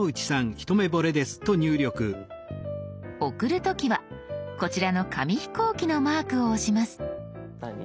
送る時はこちらの紙飛行機のマークを押します。